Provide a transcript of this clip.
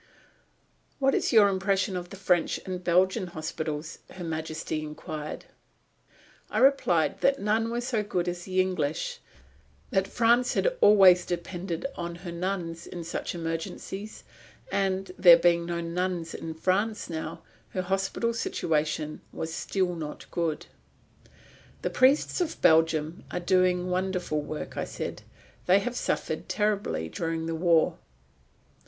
"What is your impression of the French and Belgian hospitals?" Her Majesty inquired. I replied that none were so good as the English, that France had always depended on her nuns in such emergencies, and, there being no nuns in France now, her hospital situation was still not good. "The priests of Belgium are doing wonderful work," I said. "They have suffered terribly during the war."